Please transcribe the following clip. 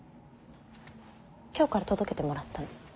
京から届けてもらったの。